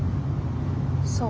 そう。